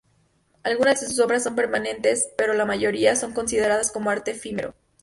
Algunas de sus obras son permanentes pero la mayoría son consideradas como arte efímero.